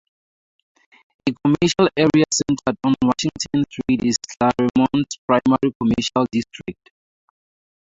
A commercial area centered on Washington Street is Claremont's primary commercial district.